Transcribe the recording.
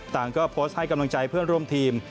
ต่างก็โพสต์ให้กำลังใจเพื่อนร่วมทีม